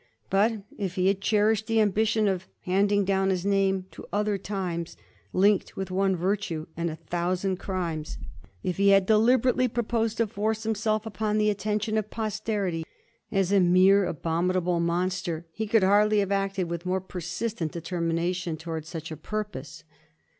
But, if he had cherished the amV>ition of handing down his name to other times," linked with one virtue and a thousand crimes," if 224 A HISTORY OF THE FOUK GEORGES. ch zzzyi. Le had deliberately proposed to force himself npon the attention of posterity as a mere abominable monster, he could hardly have acted with more persistent determina tion towards such a purpose.